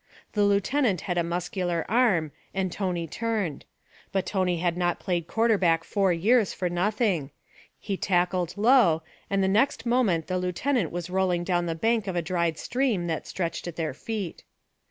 The lieutenant had a muscular arm, and Tony turned. But Tony had not played quarterback four years for nothing; he tackled low, and the next moment the lieutenant was rolling down the bank of a dried stream that stretched at their feet.